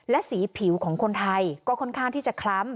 และสีผิวของคนไทยก็ค่อนข้างที่จะคล้ำ